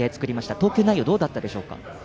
投球内容どうだったでしょうか。